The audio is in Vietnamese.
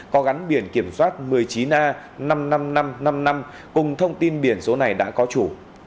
có gắn biển kiểm soát một mươi chín a năm mươi năm nghìn năm trăm năm mươi năm cùng thông tin biển số này đã có chủ